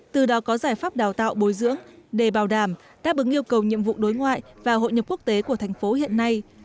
từ đó có giải pháp đào tạo bồi dưỡng để bảo đảm đáp ứng yêu cầu nhiệm vụ đối ngoại và hội nhập quốc tế của thành phố hiện nay